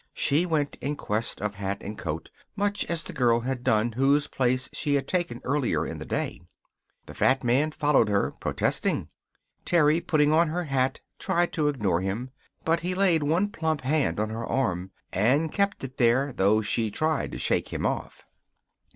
She went in quest of hat and coat much as the girl had done whose place she had taken early in the day. The fat man followed her, protesting. Terry, putting on her hat, tried to ignore him. But he laid one plump hand on her arm and kept it there, though she tried to shake him off.